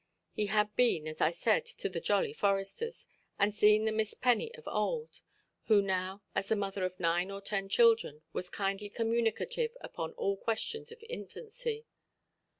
He had been, as I said, to the "Jolly Foresters" and seen the Miss Penny of old; who now, as the mother of nine or ten children, was kindly communicative upon all questions of infancy.